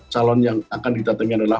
calon yang akan didatangi adalah